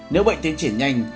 nếu bệnh tiến triển nhanh